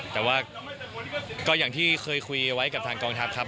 แต่ว่าก็อย่างที่เคยคุยไว้กับทางกองทัพครับ